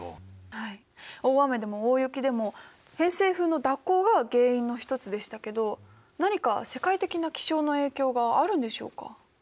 はい大雨でも大雪でも偏西風の蛇行が原因の一つでしたけど何か世界的な気象の影響があるんでしょうか？